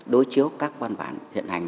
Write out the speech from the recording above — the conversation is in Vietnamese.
đối chiếu các văn bản hiện hành